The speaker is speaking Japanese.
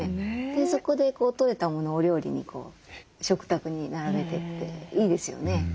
そこで採れたものをお料理に食卓に並べてっていいですよね。